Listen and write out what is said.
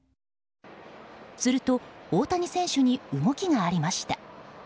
すると、大谷選手に動きがありました。